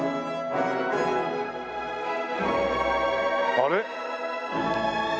あれ？